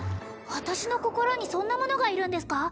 私の心にそんなものがいるんですか？